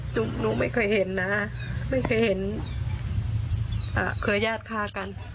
หนูไม่เคยเห็นนะไม่เคยเห็นเครือญาติฆ่ากัน